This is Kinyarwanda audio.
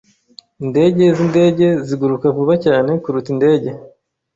Indege zindege ziguruka vuba cyane kuruta indege.